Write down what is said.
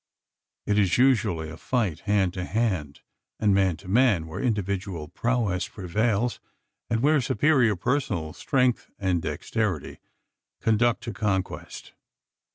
It is usually a fight hand to hand, and man to man where individual prowess prevails, and where superior personal strength and dexterity conduct to conquest.